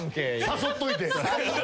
誘っといて。